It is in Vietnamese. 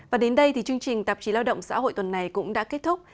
và đến đây thì chương trình tạp chí lao động xã hội tuần này cũng đã kết thúc